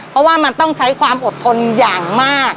เพราะว่ามันต้องใช้ความอดทนอย่างมาก